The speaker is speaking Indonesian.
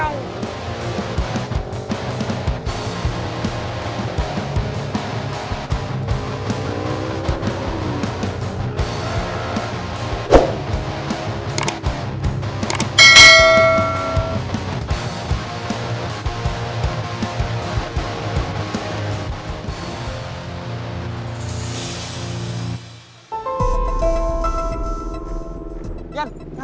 nyaj kita bodies nardank